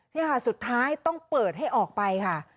นี่ค่ะสุดท้ายต้องเปิดให้ออกไปค่ะ